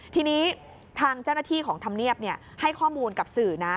ทีนี้ทางเจ้าหน้าที่ของธรรมเนียบให้ข้อมูลกับสื่อนะ